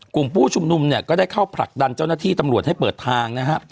กลุ่มผู้ชุมนุมเนี่ยก็ได้เข้าผลักดันเจ้าหน้าที่ตำรวจให้เปิดทางนะฮะ